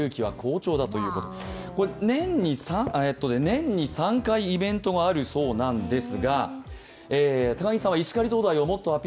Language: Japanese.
年に３回イベントがあるそうなんです。